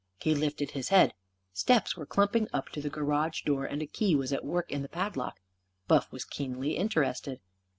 He lifted his head. Steps were clumping up to the garage door, and a key was at work in the padlock. Buff was keenly interested.